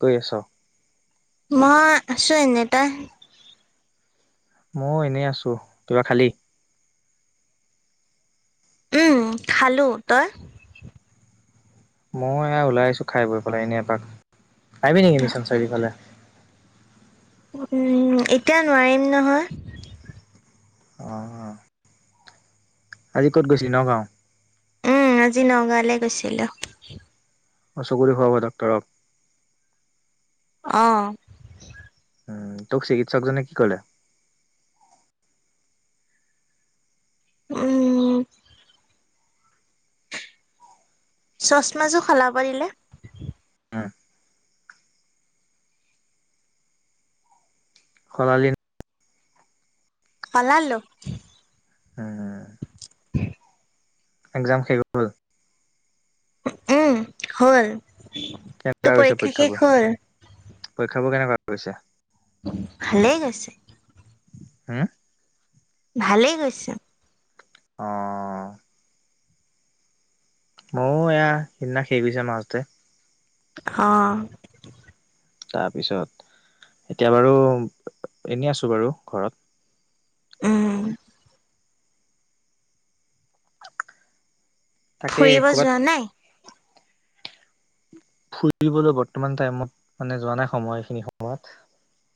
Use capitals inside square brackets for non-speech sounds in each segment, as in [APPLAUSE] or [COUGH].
দুই, এশ। মই আছোঁ এনেই। তই? মই এনেই আছোঁ। কিবা খালি? উম! খালোঁ। তই? মই ওলাই আছোঁ খাই বৈ পেলাই এনে এপাক। আহিবি নেকি মিছন চাৰিআলিৰ ফালে? উম! এতিয়া নোৱাৰিম নহয়। অ'! আজি ক'ত গৈছিলি ন গাঁও? উম আজি নগাঁৱলে গৈছিলোঁ। অ'! চকু দেখুৱাব ডাক্তৰক। অ'! আঁ তোক চিকিৎসকজনে কি ক'লে? উম! চচমা যোৰ সলাব দিলে। উম, সলালি [UNINTELLIGIBLE] সলালোঁ। [UNINTELLIGIBLE] একজাম শেষ হ'ল? উম! হ'ল। কেনেকুৱা তোৰ গৈছে পৰীক্ষা শেষ পৰীক্ষাবোৰ? হ'ল? পৰীক্ষাবোৰ কেনেকুৱা হৈছে? ভালেই গৈছে। হু! ভালেই গৈছে। অঁ! মইয়ো এয়া সেইদিনা শেষ হৈছে মাজতে। অ'! তাৰপিছত, এতিয়া বাৰু এনে আছোঁ বাৰু ঘৰত। উম! তাকে ফুৰিব ক'ৰবাত যোৱা নাই? ফুৰিবলৈ বৰ্তমান টাইমত মানে, যোৱা নাই, সময় এইখিনি সময়ত।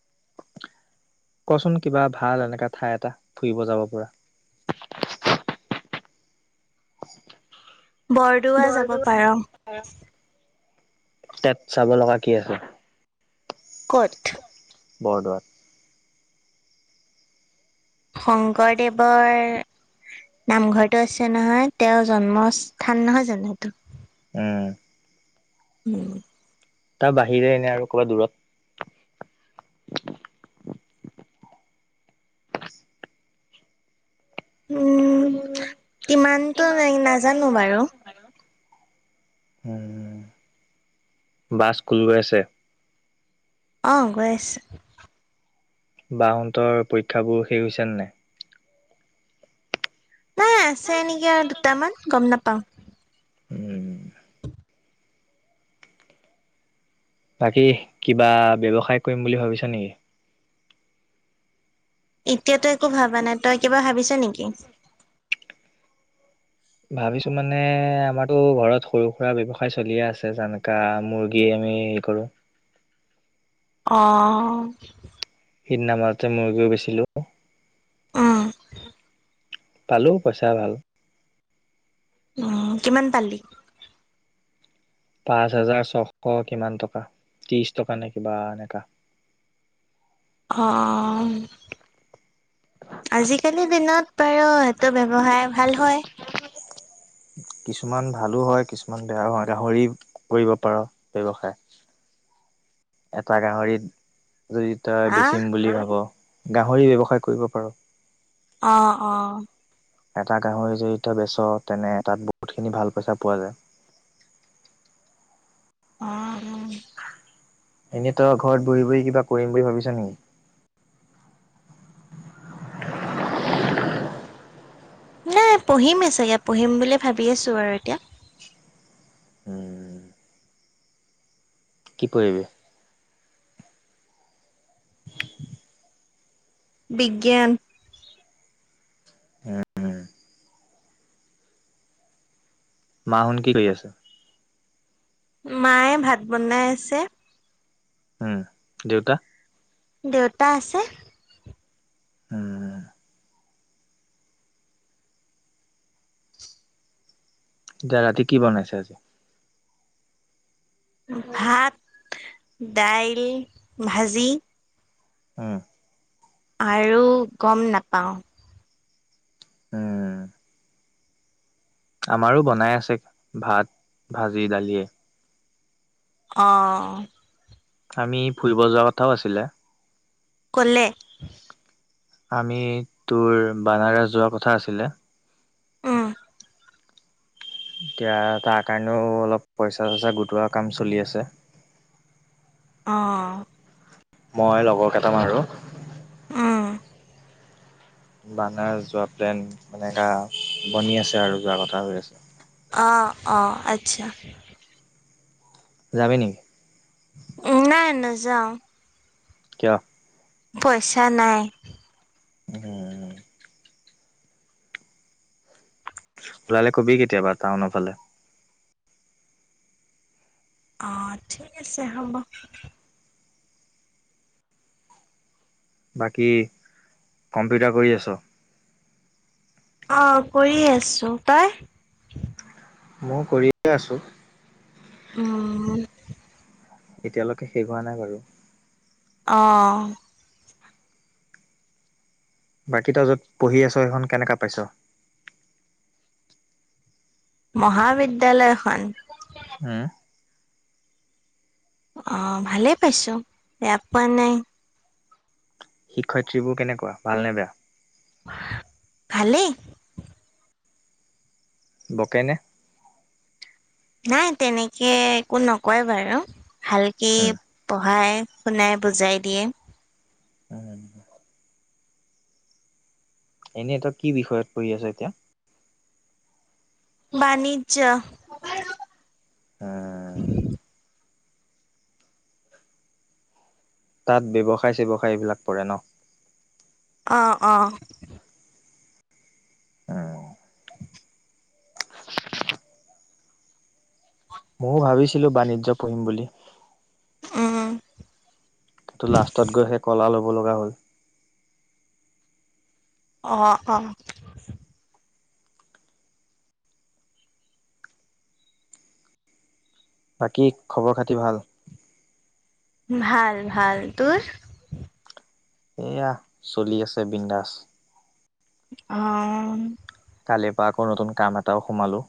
[INAUDIBLE] কছোন কিবা ভাল এনেকা ঠাই এটা ফুৰিব যাব পৰা? [INAUDIBLE] বৰদোৱা যাব পাৰ। তাত চাব লগা কি আছে? ক'ত? বৰদোৱাত? শংকৰদেৱৰ নামঘৰটো আছে নহয়, তেওঁৰ জন্মস্থান নহয় জানো সেইটো! উম! [UNINTELLIGIBLE] তাৰ বাহিৰে এনে আৰু ক'ৰবাত দূৰত? উম কিমান [UNINTELLIGIBLE] নাজানো বাৰু। উম! বা স্কুল গৈ আছে? অঁ, গৈ আছে। বা হঁতৰ পৰীক্ষাবোৰ শেষ হৈছে নে নাই? নাই আছে নেকি আৰু দুটামান গম নাপাওঁ। উম! বাকী কিবা ব্যৱসায় কৰিম বুলি ভাবিছা নেকি? এতিয়াতো একো ভাবা নাই। তই কিবা ভাবিছ নেকি? ভাবিছো মানে আমাৰতো ঘৰত সৰু সুৰা ব্যৱসায় চলিয়ে আছে যেনেকা মুৰ্গী আমি [UNINTELLIGIBLE] কৰো অঁ! সেইদিনা মাজতে মুৰ্গীও বেছিলোঁ। উম! পালোঁ পইচা ভাল। উম কিমান পালি? পাঁচহাজাৰ ছশ কিমান টকা, ত্ৰিশ টকা নে কিবা এনেকা। অঁ! ত ব্যৱসায় ভাল হয়? কিছুমান ভালো হয়, কিছুমান বেয়াও হয়, গাহৰি কৰিব পাৰ ব্যৱসায়? [UNINTELLIGIBLE] এটা গাহৰিত। যদি তাৰ হা বেচিম বুলি ভাব গাহৰি ব্যৱসায় কৰিব পাৰ। অ অ এটা গাহৰি যদিতিয়া বেচ তেনে তাত বহুতখিনি ভাল পইচা পোৱা যায়। অঁ! এনেই তই ঘৰত বহি বহি কিবা কৰিম বুলি ভাবিছ নেকি? নাই পঢ়িমএ চাগে পঢ়িম বুলিয়ে ভাবি আছো আৰু এতিয়া। উম! কি পহিবি? বিজ্ঞান। হোম! মাহুোন কি কৰি আছে? মায়ে ভাত বনাই আছে। উম! দেউতা? দেউতা আছে। উম। এতিয়া ৰাতি কি বনাইছে আজি। ভাত, দাইল, ভাজি। উম। আৰু গম নাপাওঁ। হম। আমাৰো বনাই আছে, ভাত, ভাজি, দালিয়ে। অঁ। আমি ফুৰিব যোৱা কথাও আছিলে। কলে? আমি, তোৰ বানাৰস যোৱা কথা আছিলে। উম। এতিয়া তাৰ কাৰণেও অলপ পইচা চইচা গোটোৱা কাম চলি আছে। অঁ। মই লগৰ কেইটাম আৰু। উম। বানাৰ যোৱা প্লেন, এনেকা বনি আছে আৰু যোৱা কথা হৈ আছে। আঁহ অঁ আচ্ছা। যাবি নেকি? ত নযাওঁ। কিয়? পইচা নাই। উম। ওলালে কবি কেতিয়াবা টাউনফালে। আঃহ ঠিক আছে হ'ব। বাকী, কম্পিউটাৰ কৰি আছ। অঁ কৰি আছো তই। মই কৰিয়ে আছোঁ। উম। এতিয়ালৈকে শেষ হোৱা নাই বাৰু। অঁ! বাকী তই, য'ত পঢ়ি আছ সেইখন কেনেককা পাইছ। মহাবিদ্যালয়খন। হে। আঁহ ভালেই পাইছো, বেয়া পোৱা নাই। শিক্ষয়িত্ৰী বোৰ কেনেকুৱা ভাল নে বেয়া। ভালে। বকেই নে! নাই তেনেকে একো নকয় বাৰু ভালকে উম পঢ়াই শুনাই বুজাই দিয়ে। অঁ এনেই তই কি বিষয়ত পঢ়ি আছ এতিয়া বাণিজ্য। উম তাত ব্যৱসায় চেৱসায় এইবিলাক পৰে ন। অঁ অঁ অঁ! ময়ো ভাবিছিলো বাণিজ্য পঢ়িম বুলি। উম। কিন্তু লাষ্টত গৈ সেই ক'লা ল'ব লগা হ'ল। অঁ অঁ। বাকী খবৰ খাতি ভাল। ভাল, ভাল তোৰ। এয়া চলি আছে বিনন্দাছ। অঁ! কালিৰ পৰা আকৌ নতুন কাম এটাওঁ সোমালোঁ।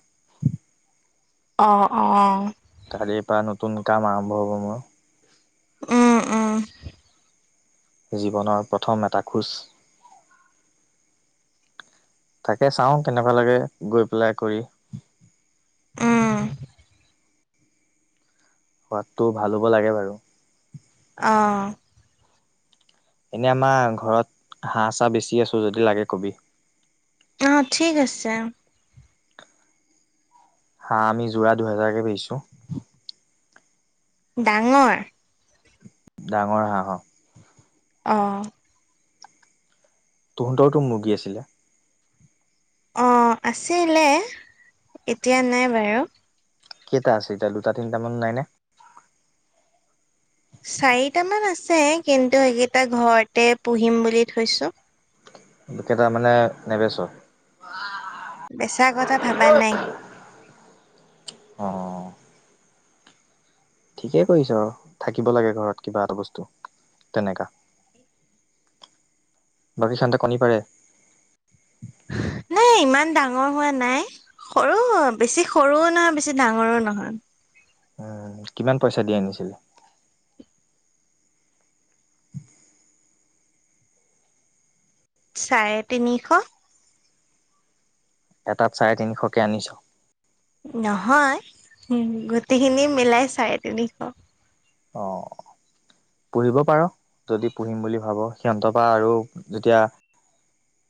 অঁ অঁ। কালিৰ পৰা নতুন কাম আৰম্ভ হ'ব মোৰ। উম উম। জীৱনৰ প্ৰথম এটা খোজ। তাকে চাওঁ কেনেকুৱা লাগে গৈ পেলাই কৰি উম। সোৱাদটো ভাল হ'ব লাগে বাৰু। আহ। এনে আমাৰ ঘৰত হাঁহ ছাহ বেছি আছো যদি লাগে কবি অঁ ঠিক আছে। হাঁহ আমি যোৰা দুহেজাৰকে বেছো‌। ডাঙৰ ডাঙৰ হাঁহ অ অঁ তহঁতৰওতো মুৰ্গী আছিলে অ আছিলে এতিয়া নাই বাৰু কেইটা আছে এতিয়া দুটা তিনিটামান নাই নে? চাৰিটামান আছে কিন্তু সেইকেইটা ঘৰতে পুহিম বুলি থৈছো। [INAUDIBLE] কেইটাৰ মানে নেবেচ বেচা কথা ভাবা নাই অ ঠিকেই কৰিছ আৰু থাকিব লাগে ঘৰত কিবা এটা বস্তু তেনেকা বাকিচান্তে কণী পাৰে এ ইমান ডাঙৰ হোৱা নাই সৰু হৈ বেছি সৰুও নহয় বেছি ডাঙৰো নহয়। কিমান পইচা দি আনিছিলে? চাৰে তিনিশ এটাত চাৰে তিনিশকে আনিছ নহয় গোটেইখিনি মিলাই চাৰে তিনিশ অ পুহিব পাৰ যদি পুহিম বুলি ভাব সিহঁতৰপৰা আৰু যেতিয়া,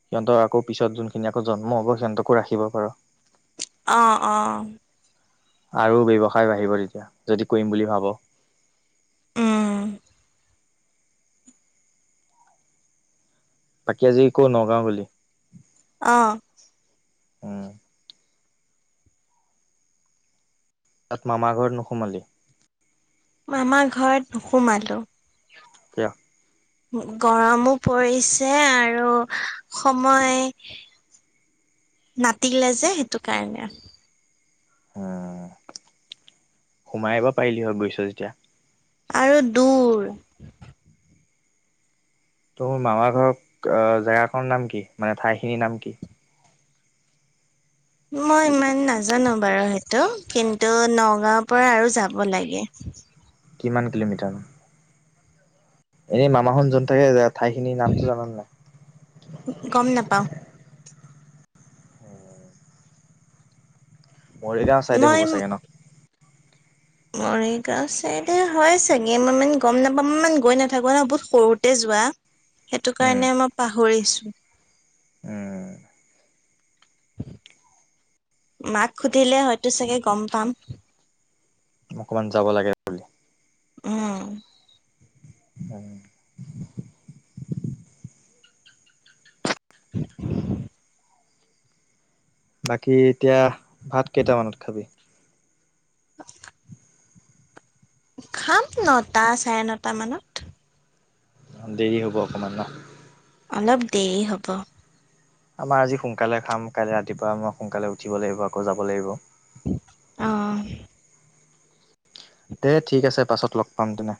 সিহঁতক আকৌ পিছত যোনখিনি আকৌ জন্ম হ'ব সিহঁতকো ৰাখিব পাৰো অঁ অঁ আৰু ব্যৱসায় বাঢ়িব তেতিয়া যদি কৰিম বুলি ভাব। উম বাকী আজি ক'ত নগাঁও গলি? আহ উম তাত মামা ঘৰত নোসোমালি? মামাৰ ঘৰত নোসুমালো। কিয়? গৰমো পৰিছে আৰু সময় নাতিলে যে সেইটো কাৰণে, উ সোমাই আহিব পাৰিলি হয় গৈছ যেতিয়া আৰু দূৰ ত মোৰ মামা ঘৰক জেগাখৰ নাম কি মানে ঠাইখিনিৰ নাম কি? মই ইমান নাজানো বাৰু সেইটো কিন্তু নগাঁওৰ পৰা আৰু যাব লাগে। [INAUDIBLE] কিমান কিলোমিটাৰ? এনেই মামাহত য'ত থাকে ঠাইখিনিৰ নামটো জান নাই? গম নাপাওঁ মৰিগাঁও চাইডে হ'ব চাগে ন? মৰিগাও চাইডে হয় চাগে মই মানে গম নাপাম মানে গৈ নাথাকো ন বহুত সৰুতে যোৱা, সেৱা সেইটো উম, কাৰণে মই পাহৰিছো উম, মাক সুধিলে হয়তো চাগে গম পাম। অকমান যাব লাগে বুলি, উম [INAUDIBLE] [INAUDIBLE] বাকী এতিয়া ভাত কেইটামানত খাবি? খাম নটা চাৰে নটা মানত, দেৰি হ'ব অকণমান ন অলপ দেৰি হ'ব আমাৰ আজি সোনকালে খাম কাইলে ৰাতিপুৱা আমাৰ সোনকালে উঠিব লাগিব আকৌ যাব লাগিব আহ দে ঠিক আছে পাছত লগ পাম তেনে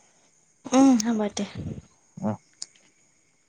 উম হ'ব দে [INAUDIBLE]